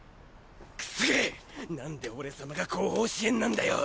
クソがなんで俺様が後方支援なんだよ。